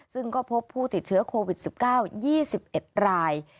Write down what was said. ซึ่งก็พบผู้ติดเชื้อโควิดสิบเก้ายี่สิบเอ็ดราย